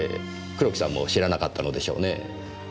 黒木さんも知らなかったのでしょうねぇ。